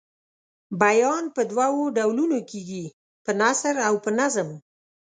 بیان په دوو ډولونو کیږي په نثر او په نظم.